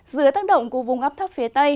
dưới tác động của vùng gấp thấp phía tây